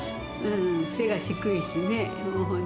背が低いしね、本当。